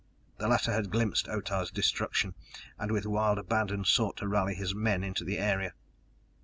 The latter had glimpsed Otah's destruction, and with wild abandon sought to rally his men into the area.